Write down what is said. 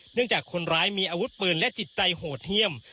เนื่องจากคนร้ายมีอาวุธเปิดและจิตใจโหดเหี้ยม